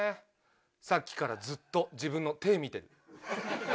さっきからずっと自分の手見てる。